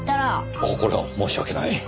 おおこれは申し訳ない。